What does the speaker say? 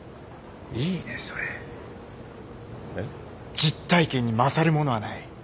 実体験に勝るものはない。